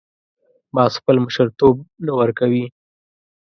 باز خپل مشرتوب نه ورکوي